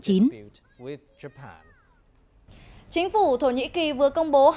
chính phủ thổ nhĩ kỳ vừa công bố